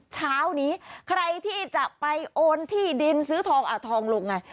เช้านี้ใครที่จะไปโอนที่ดินซื้อทองอ่ะทองลงไง